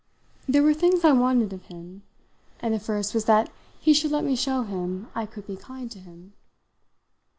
There were things I wanted of him, and the first was that he should let me show him I could be kind to him.